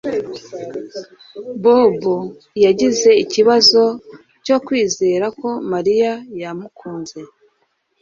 Bobo yagize ikibazo cyo kwizera ko Mariya yamukunze